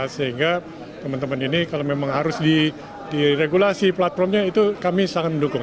sehingga teman teman ini kalau memang harus diregulasi platformnya itu kami sangat mendukung